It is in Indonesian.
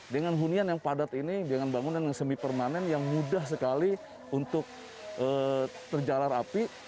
dengan hunian yang padat ini dengan bangunan yang semi permanen yang mudah sekali untuk terjalar api